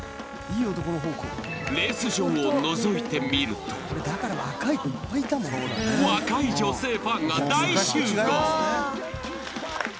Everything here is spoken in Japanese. レース場をのぞいてみると、若い女性ファンが大集合。